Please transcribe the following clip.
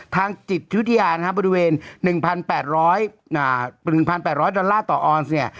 ทางจิตทุยทียารณ์บริเวณ๑๘๐๐ดอลลาร์ต่อออนซเนี่ย